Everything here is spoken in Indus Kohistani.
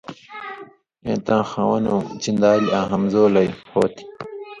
اېں تاں خوانؤں چیندالی آں ہمزولئ ہو تھی۔